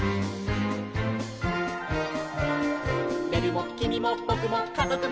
「べるもきみもぼくもかぞくも」